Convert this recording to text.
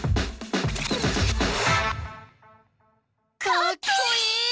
かっこいい！